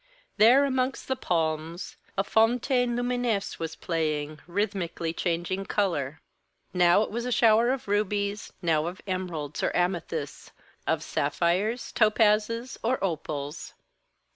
There, amongst the palms, a fontaine lumineuse was playing, rhythmically changing colour. Now it was a shower of rubies; now of emeralds or amethysts, of sapphires, topazes, or opals.